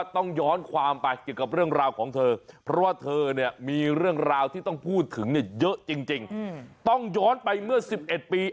ถึงเนี่ยเยอะจริงต้องย้อนไปเมื่อ๑๑ปี